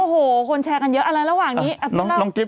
โอ้โหคนแชร์กันเยอะอะไรระหว่างนี้